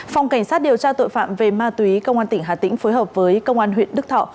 phòng cảnh sát điều tra tội phạm về ma túy công an tỉnh hà tĩnh phối hợp với công an huyện đức thọ